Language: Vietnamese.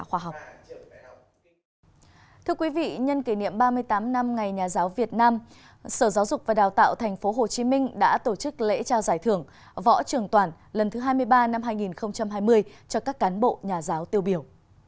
thưa quý vị nhân kỷ niệm ba mươi tám năm ngày nhà giáo việt nam sở giáo dục và đào tạo tp hcm đã tổ chức lễ trao giải thưởng võ trường toản lần thứ hai mươi ba năm hai nghìn hai mươi cho các cán bộ nhà giáo tiêu biểu